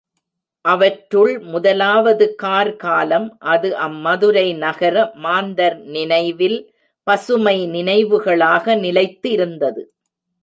அவற்றுள் முதலாவது கார் காலம் அது அம் மதுரை நகர மாந்தர் நினைவில் பசுமை நினைவுகளாக நிலைத்து இருந்தது.